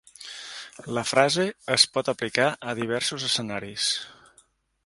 La frase es pot aplicar a diversos escenaris.